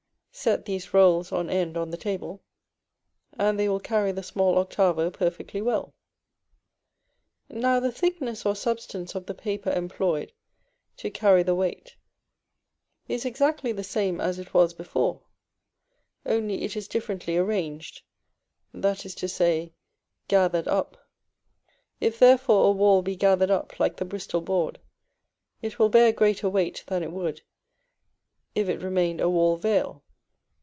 Set these rolls on end on the table, and they will carry the small octavo perfectly well. Now the thickness or substance of the paper employed to carry the weight is exactly the same as it was before, only it is differently arranged, that is to say, "gathered up." If therefore a wall be gathered up like the Bristol board, it will bear greater weight than it would if it remained a wall veil.